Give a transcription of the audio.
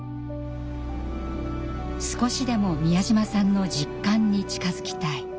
「少しでも美谷島さんの実感に近づきたい」。